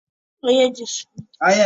• د نورو تر شعرونو هم مغلق سي -